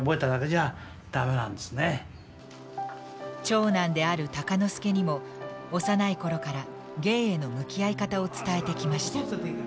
長男である鷹之資にも幼い頃から芸への向き合い方を伝えてきました。